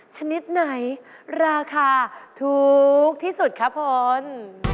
ชนิดไหนราคาถูกที่สุดคะพล